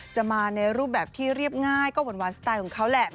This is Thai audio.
จะมาในรูปแบบที่เรียบง่ายก็หวานสไตล์ของเขาแหละ